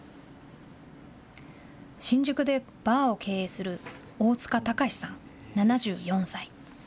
新宿でバーを経営する大塚隆史さん、７４歳。